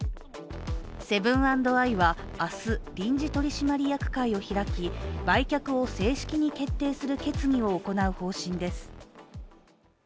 セブン＆アイは明日、臨時取締役会を開き売却を正式に決定する決議を行う方針です。